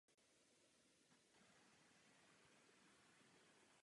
Jsou také dobrými místy pro experimentování.